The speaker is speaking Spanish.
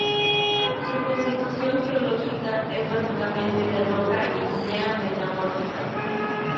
Su constitución geológica es básicamente de roca ígnea metamórfica.